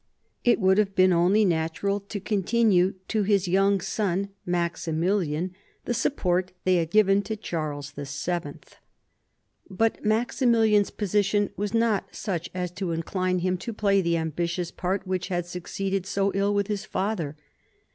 It would have been only natural to continue to his young son, Maximilian, the support they had given to Charles VII. But Maximilian's J / position was not such as to incline him to play the c ambitious part which had succeeded so ill with his father.